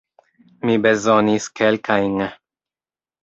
Mi bezonis kelkajn.